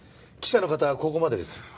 記者の方はここまでです。